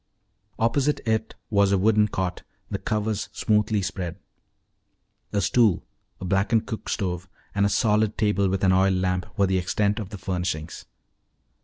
Opposite it was a wooden cot, the covers smoothly spread. A stool, a blackened cook stove, and a solid table with an oil lamp were the extent of the furnishings.